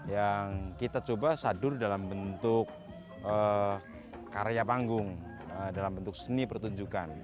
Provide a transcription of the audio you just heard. yang kita coba sadur dalam bentuk karya panggung dalam bentuk seni pertunjukan